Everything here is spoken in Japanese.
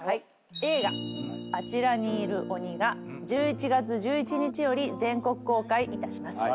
映画『あちらにいる鬼』が１１月１１日より全国公開いたします。